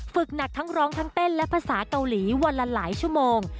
ฝึกหนักทั้งร้องทั้งเต้นและภาษาเกาหลีวันละหลายชั่วโมง